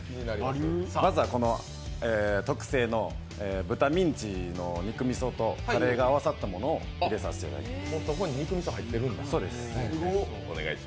まずはこの特製の豚ミンチの肉みそとカレーが合わさったものを入れさせてもらいます。